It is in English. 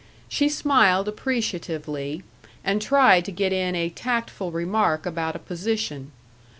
She smiled appreciatively, and tried to get in a tactful remark about a position.